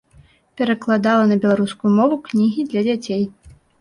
Перакладала на беларускую мову кнігі для дзяцей.